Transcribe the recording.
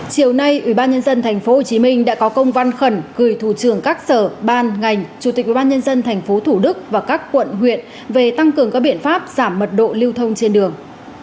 chủ tịch ubnd thành phố hồ chí minh đã có công văn khẩn gửi thủ trưởng các sở ban ngành chủ tịch ubnd thành phố thủ đức và các quận huyện về tăng cường các biện pháp giảm mật độ lưu thông trên đường